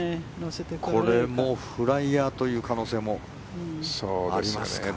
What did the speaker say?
これもフライヤーという可能性もありますかね。